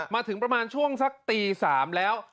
มาถึงประมาณช่วงสักตี๓แล้ว